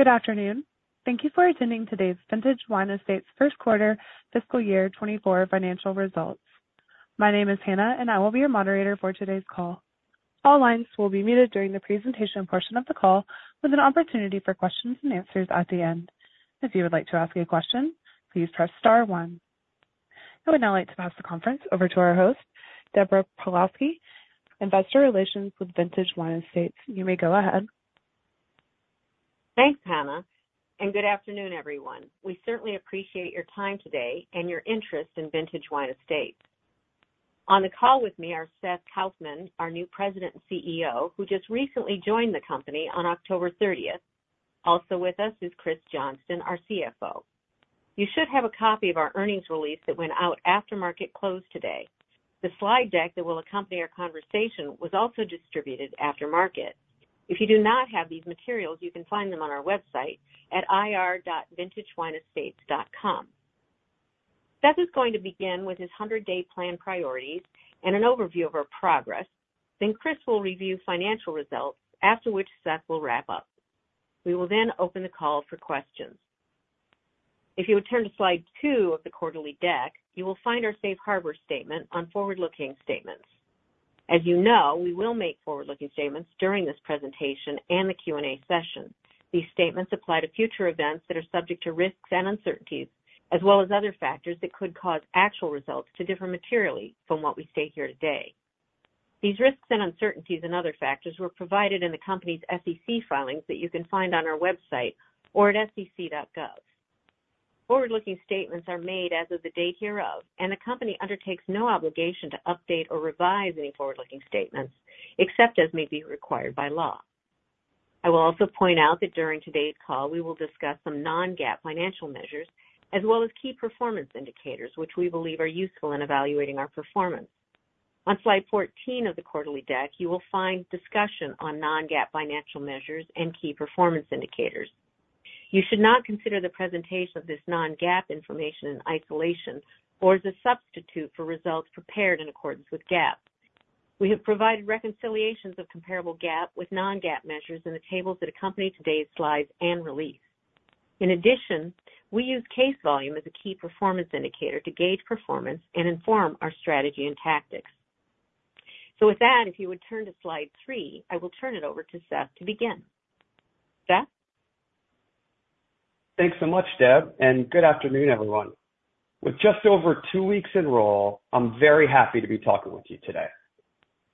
Good afternoon. Thank you for attending today's Vintage Wine Estates First Quarter Fiscal Year 2024 Financial Results. My name is Hannah, and I will be your moderator for today's call. All lines will be muted during the presentation portion of the call, with an opportunity for questions and answers at the end. If you would like to ask a question, please press star one. I would now like to pass the conference over to our host, Deborah Pawlowski, investor relations with Vintage Wine Estates. You may go ahead. Thanks, Hannah, and good afternoon, everyone. We certainly appreciate your time today and your interest in Vintage Wine Estates. On the call with me are Seth Kaufman, our new President and CEO, who just recently joined the company on October 30. Also with us is Kris Johnston, our CFO. You should have a copy of our earnings release that went out after market close today. The slide deck that will accompany our conversation was also distributed after market. If you do not have these materials, you can find them on our website at ir.vintagewineestates.com. Seth is going to begin with his 100-day plan priorities and an overview of our progress. Then Kris will review financial results, after which Seth will wrap up. We will then open the call for questions. If you would turn to slide two of the quarterly deck, you will find our safe harbor statement on forward-looking statements. As you know, we will make forward-looking statements during this presentation and the Q&A session. These statements apply to future events that are subject to risks and uncertainties, as well as other factors that could cause actual results to differ materially from what we say here today. These risks and uncertainties and other factors were provided in the company's SEC filings that you can find on our website or at sec.gov. Forward-looking statements are made as of the date hereof, and the company undertakes no obligation to update or revise any forward-looking statements, except as may be required by law. I will also point out that during today's call, we will discuss some non-GAAP financial measures as well as key performance indicators, which we believe are useful in evaluating our performance. On slide 14 of the quarterly deck, you will find discussion on non-GAAP financial measures and key performance indicators. You should not consider the presentation of this non-GAAP information in isolation or as a substitute for results prepared in accordance with GAAP. We have provided reconciliations of comparable GAAP with non-GAAP measures in the tables that accompany today's slides and release. In addition, we use case volume as a key performance indicator to gauge performance and inform our strategy and tactics. So with that, if you would turn to slide three, I will turn it over to Seth to begin. Seth? Thanks so much, Deb, and good afternoon, everyone. With just over two weeks in role, I'm very happy to be talking with you today.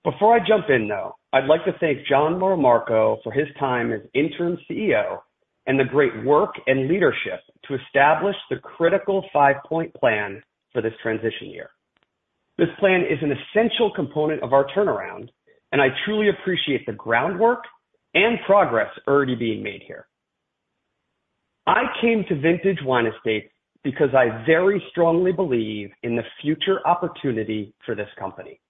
Before I jump in, though, I'd like to thank Jon Moramarco for his time as interim CEO and the great work and leadership to establish the critical Five-Point Plan for this transition year. This plan is an essential component of our turnaround, and I truly appreciate the groundwork and progress already being made here. I came to Vintage Wine Estates because I very strongly believe in the future opportunity for this company.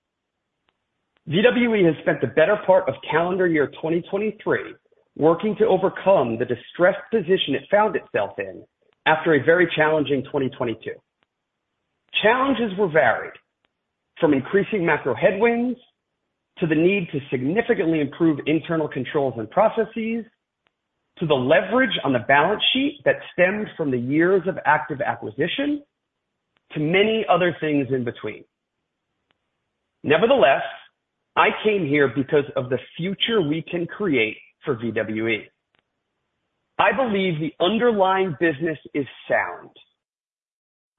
VWE has spent the better part of calendar year 2023 working to overcome the distressed position it found itself in after a very challenging 2022. Challenges were varied, from increasing macro headwinds to the need to significantly improve internal controls and processes, to the leverage on the balance sheet that stemmed from the years of active acquisition, to many other things in between. Nevertheless, I came here because of the future we can create for VWE. I believe the underlying business is sound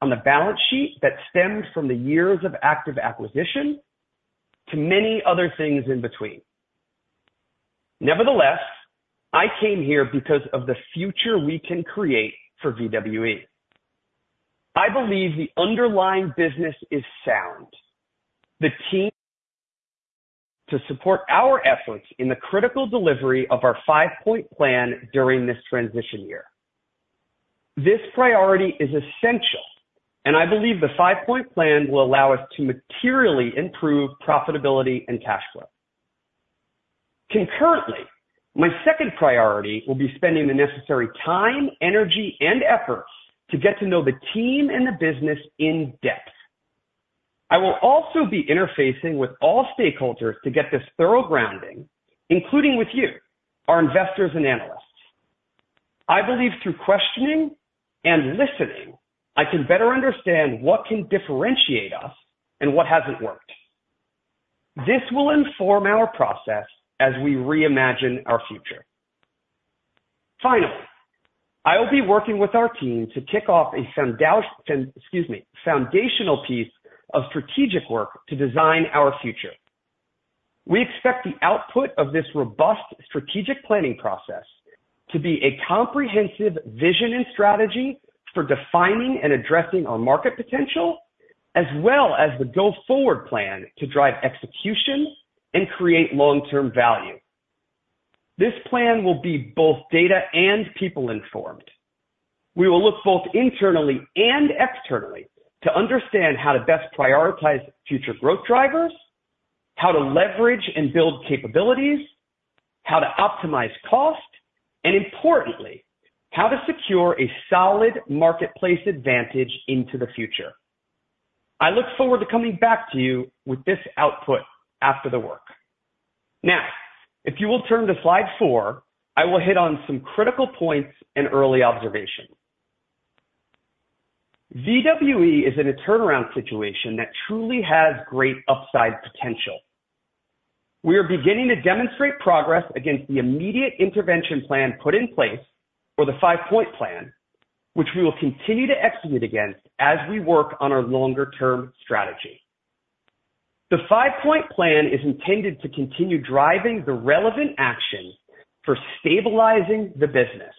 on the balance sheet that stemmed from the years of active acquisition to many other things in between. Nevertheless, I came here because of the future we can create for VWE. I believe the underlying business is sound. The team... To support our efforts in the critical delivery of our Five-Point Plan during this transition year. This priority is essential, and I believe the Five-Point Plan will allow us to materially improve profitability and cash flow. Concurrently, my second priority will be spending the necessary time, energy, and effort to get to know the team and the business in depth. I will also be interfacing with all stakeholders to get this thorough grounding, including with you, our investors and analysts. I believe through questioning and listening, I can better understand what can differentiate us and what hasn't worked. This will inform our process as we reimagine our future. Finally, I will be working with our team to kick off a, excuse me, foundational piece of strategic work to design our future. We expect the output of this robust strategic planning process to be a comprehensive vision and strategy for defining and addressing our market potential, as well as the go-forward plan to drive execution and create long-term value. This plan will be both data and people informed. We will look both internally and externally to understand how to best prioritize future growth drivers, how to leverage and build capabilities, how to optimize cost, and importantly, how to secure a solid marketplace advantage into the future. I look forward to coming back to you with this output after the work. Now, if you will turn to slide four, I will hit on some critical points and early observations. VWE is in a turnaround situation that truly has great upside potential. We are beginning to demonstrate progress against the immediate intervention plan put in place for the Five-Point Plan, which we will continue to execute against as we work on our longer-term strategy. The Five-Point Plan is intended to continue driving the relevant action for stabilizing the business.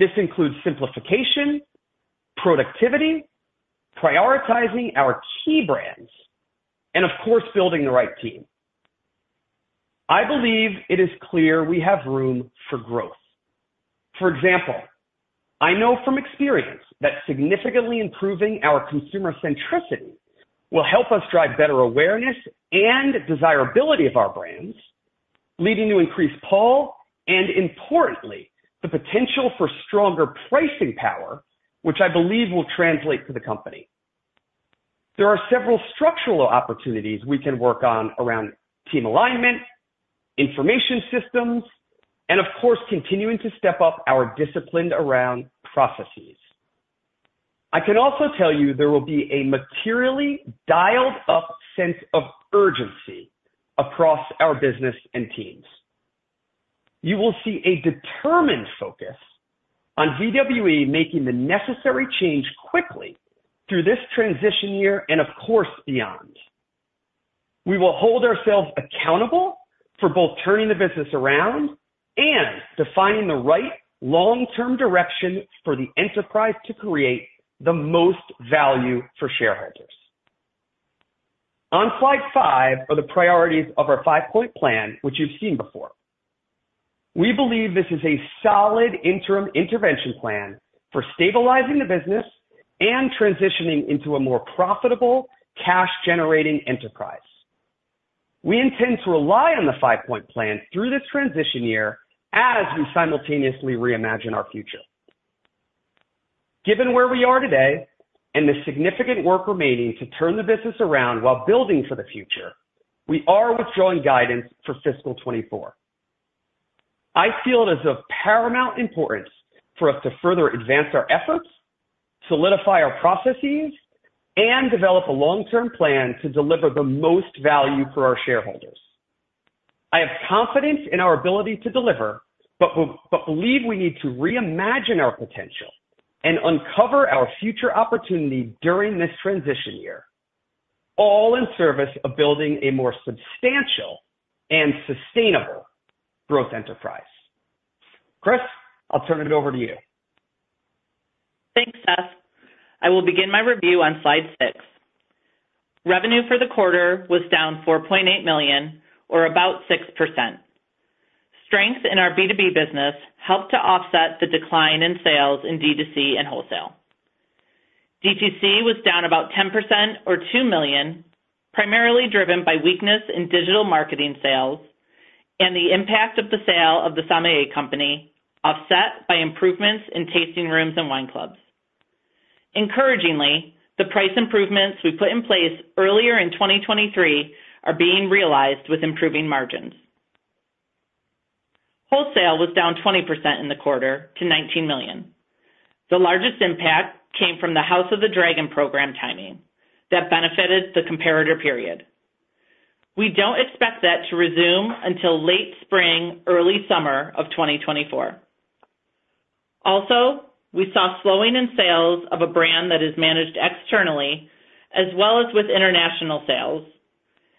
This includes simplification, productivity, prioritizing our key brands, and of course, building the right team. I believe it is clear we have room for growth. For example, I know from experience that significantly improving our consumer centricity will help us drive better awareness and desirability of our brands, leading to increased pull, and importantly, the potential for stronger pricing power, which I believe will translate to the company. There are several structural opportunities we can work on around team alignment, information systems, and of course, continuing to step up our discipline around processes. I can also tell you there will be a materially dialed-up sense of urgency across our business and teams. You will see a determined focus on VWE making the necessary change quickly through this transition year and of course, beyond. We will hold ourselves accountable for both turning the business around and defining the right long-term direction for the enterprise to create the most value for shareholders. On slide 5 are the priorities of our Five-Point Plan, which you've seen before. We believe this is a solid interim intervention plan for stabilizing the business and transitioning into a more profitable, cash-generating enterprise. We intend to rely on the Five-Point Plan through this transition year as we simultaneously reimagine our future. Given where we are today and the significant work remaining to turn the business around while building for the future, we are withdrawing guidance for fiscal 2024. I feel it is of paramount importance for us to further advance our efforts, solidify our processes, and develop a long-term plan to deliver the most value for our shareholders. I have confidence in our ability to deliver, but believe we need to reimagine our potential and uncover our future opportunity during this transition year, all in service of building a more substantial and sustainable growth enterprise. Kris, I'll turn it over to you. Thanks, Seth. I will begin my review on slide six. Revenue for the quarter was down $4.8 million, or about 6%. Strength in our B2B business helped to offset the decline in sales in D2C and wholesale. D2C was down about 10% or $2 million, primarily driven by weakness in digital marketing sales and the impact of the sale of the Sommelier Company, offset by improvements in tasting rooms and wine clubs. Encouragingly, the price improvements we put in place earlier in 2023 are being realized with improving margins. Wholesale was down 20% in the quarter to $19 million. The largest impact came from the House of the Dragon program timing that benefited the comparator period. We don't expect that to resume until late spring, early summer of 2024. Also, we saw slowing in sales of a brand that is managed externally as well as with international sales,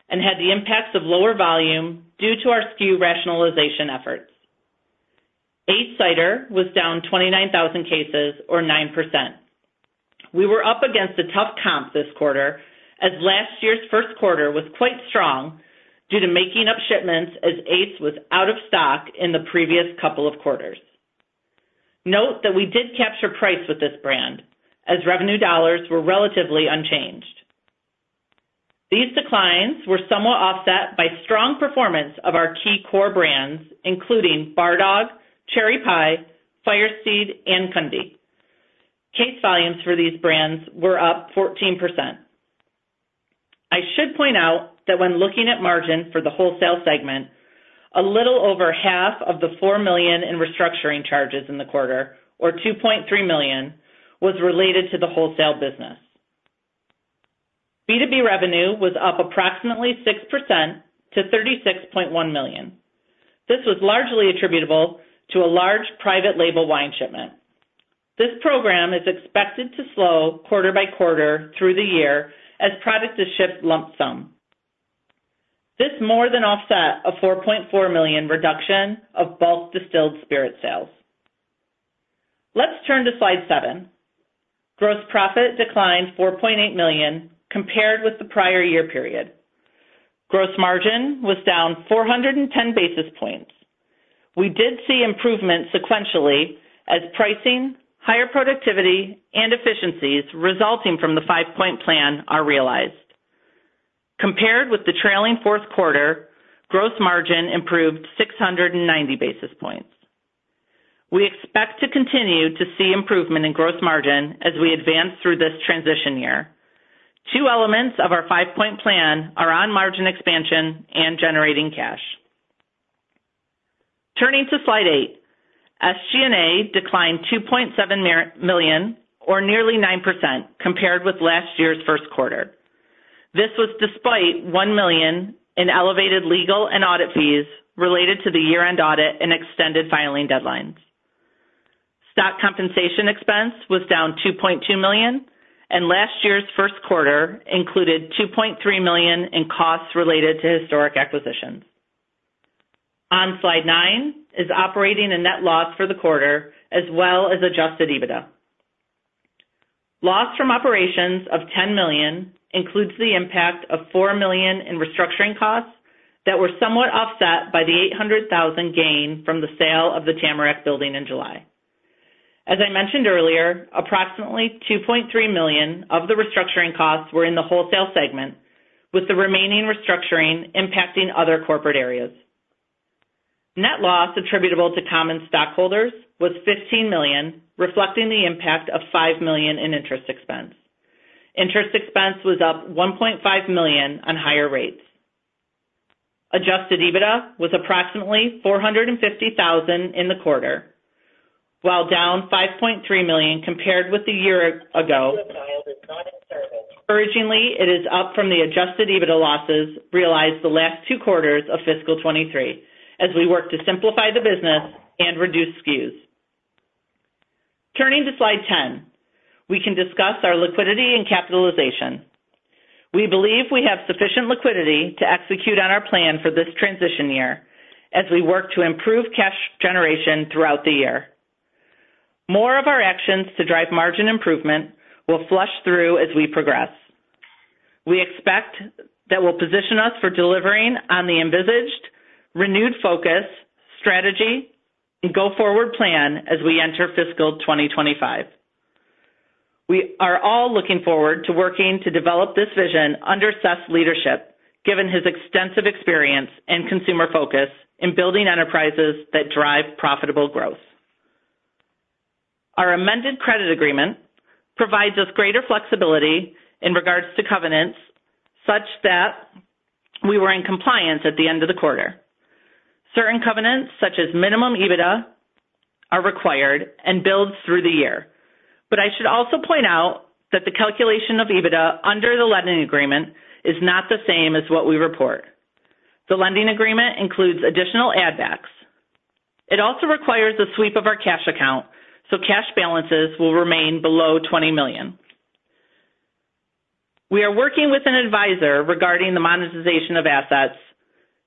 and had the impacts of lower volume due to our SKU rationalization efforts. Ace Cider was down 29,000 cases or 9%. We were up against a tough comp this quarter, as last year's first quarter was quite strong due to making up shipments as ACE was out-of-stock in the previous couple of quarters. Note that we did capture price with this brand as revenue dollars were relatively unchanged. These declines were somewhat offset by strong performance of our key core brands, including Bar Dog, Cherry Pie, Firesteed, and Kunde. Case volumes for these brands were up 14%. I should point out that when looking at margin for the wholesale segment, a little over half of the $4 million in restructuring charges in the quarter, or $2.3 million, was related to the wholesale business. B2B revenue was up approximately 6% to $36.1 million. This was largely attributable to a large private label wine shipment. This program is expected to slow quarter by quarter through the year as product is shipped lump sum. This more than offset a $4.4 million reduction of bulk distilled spirit sales. Let's turn to slide seven. Gross profit declined $4.8 million compared with the prior year period. Gross margin was down 410 basis points. We did see improvement sequentially as pricing, higher productivity, and efficiencies resulting from the five-point plan are realized. Compared with the trailing fourth quarter, gross margin improved 690 basis points. We expect to continue to see improvement in gross margin as we advance through this transition year. Two elements of our Five-Point Plan are on margin expansion and generating cash. Turning to slide eight, SG&A declined $2.7 million, or nearly 9%, compared with last year's first quarter. This was despite $1 million in elevated legal and audit fees related to the year-end audit and extended filing deadlines. Stock compensation expense was down $2.2 million, and last year's first quarter included $2.3 million in costs related to historic acquisitions. On slide nine is operating a net loss for the quarter as well as Adjusted EBITDA. Loss from operations of $10 million includes the impact of $4 million in restructuring costs that were somewhat offset by the $0.8 million gain from the sale of the Tamarack building in July. As I mentioned earlier, approximately $2.3 million of the restructuring costs were in the wholesale segment, with the remaining restructuring impacting other corporate areas. Net loss attributable to common stockholders was $15 million, reflecting the impact of $5 million in interest expense. Interest expense was up $1.5 million on higher rates. Adjusted EBITDA was approximately $0.45 million in the quarter, while down $5.3 million compared with a year ago. Encouragingly, it is up from the adjusted EBITDA losses realized the last two quarters of fiscal 2023 as we work to simplify the business and reduce SKUs. Turning to slide 10, we can discuss our liquidity and capitalization. We believe we have sufficient liquidity to execute on our plan for this transition year as we work to improve cash generation throughout the year. More of our actions to drive margin improvement will flush through as we progress. We expect that will position us for delivering on the envisaged, renewed focus, strategy, and go-forward plan as we enter fiscal 2025. We are all looking forward to working to develop this vision under Seth's leadership, given his extensive experience and consumer focus in building enterprises that drive profitable growth. Our amended credit agreement provides us greater flexibility in regards to covenants such that we were in compliance at the end of the quarter. Certain covenants, such as minimum EBITDA, are required and builds through the year. But I should also point out that the calculation of EBITDA under the lending agreement is not the same as what we report. The lending agreement includes additional add backs. It also requires a sweep of our cash account, so cash balances will remain below $20 million. We are working with an advisor regarding the monetization of assets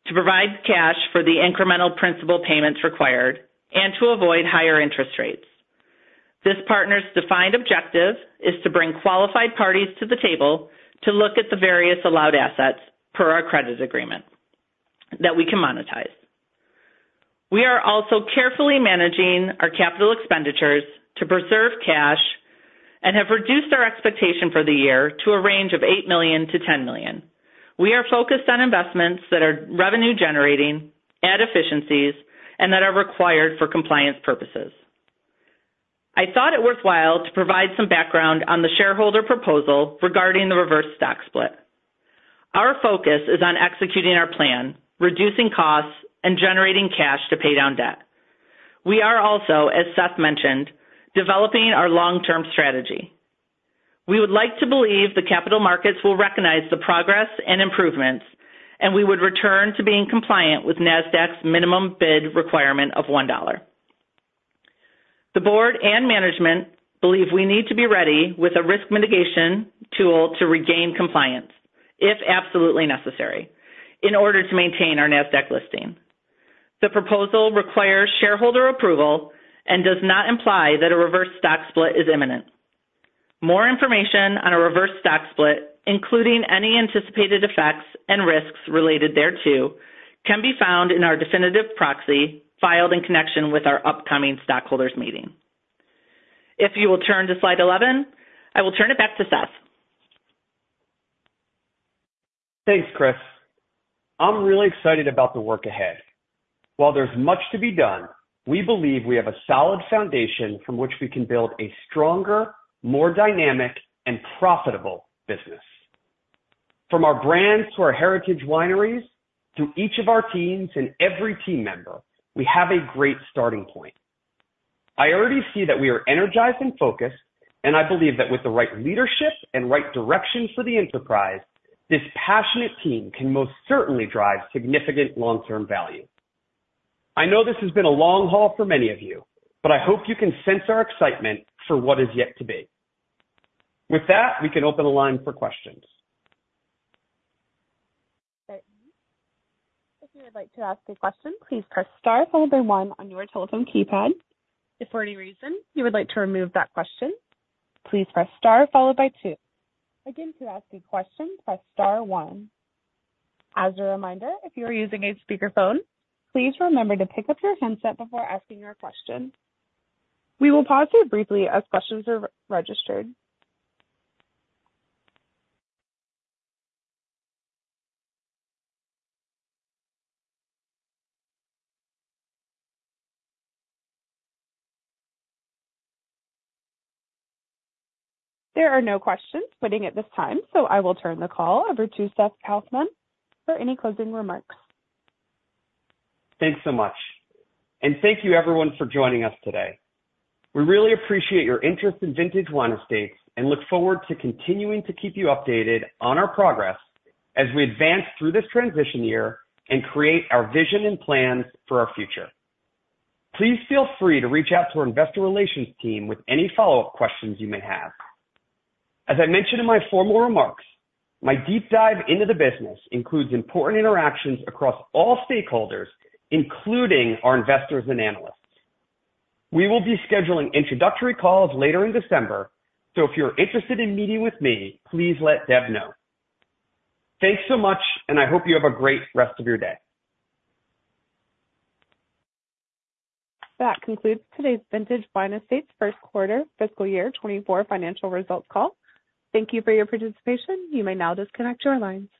to provide cash for the incremental principal payments required and to avoid higher interest rates. This partner's defined objective is to bring qualified parties to the table to look at the various allowed assets per our credit agreement that we can monetize. We are also carefully managing our capital expenditures to preserve cash and have reduced our expectation for the year to a range of $8 million-$10 million. We are focused on investments that are revenue generating, add efficiencies, and that are required for compliance purposes. I thought it worthwhile to provide some background on the shareholder proposal regarding the reverse stock split. Our focus is on executing our plan, reducing costs, and generating cash to pay down debt. We are also, as Seth mentioned, developing our long-term strategy. We would like to believe the capital markets will recognize the progress and improvements, and we would return to being compliant with NASDAQ's minimum bid requirement of $1. The board and management believe we need to be ready with a risk mitigation tool to regain compliance, if absolutely necessary, in order to maintain our NASDAQ listing. The proposal requires shareholder approval and does not imply that a reverse stock split is imminent. More information on a reverse stock split, including any anticipated effects and risks related thereto, can be found in our definitive proxy filed in connection with our upcoming stockholders meeting. If you will turn to slide 11, I will turn it back to Seth. Thanks, Kris. I'm really excited about the work ahead. While there's much to be done, we believe we have a solid foundation from which we can build a stronger, more dynamic, and profitable business. From our brands to our heritage wineries, to each of our teams and every team member, we have a great starting point. I already see that we are energized and focused, and I believe that with the right leadership and right direction for the enterprise, this passionate team can most certainly drive significant long-term value. I know this has been a long haul for many of you, but I hope you can sense our excitement for what is yet to be. With that, we can open the line for questions. If you would like to ask a question, please press star, followed by one on your telephone keypad. If for any reason you would like to remove that question, please press star followed by two. Again, to ask a question, press star one. As a reminder, if you are using a speakerphone, please remember to pick up your handset before asking your question. We will pause here briefly as questions are registered. There are no questions waiting at this time, so I will turn the call over to Seth Kaufman for any closing remarks. Thanks so much, and thank you everyone for joining us today. We really appreciate your interest in Vintage Wine Estates and look forward to continuing to keep you updated on our progress as we advance through this transition year and create our vision and plans for our future. Please feel free to reach out to our investor relations team with any follow-up questions you may have. As I mentioned in my formal remarks, my deep dive into the business includes important interactions across all stakeholders, including our investors and analysts. We will be scheduling introductory calls later in December, so if you're interested in meeting with me, please let Deb know. Thanks so much, and I hope you have a great rest of your day. That concludes today's Vintage Wine Estates first quarter fiscal year 2024 financial results call. Thank you for your participation. You may now disconnect your lines.